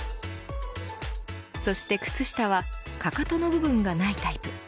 そして靴下はかかとの部分がないタイプ。